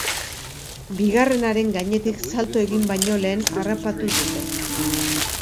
Bigarrenaren gainetik salto egin baino lehen harrapatu dute.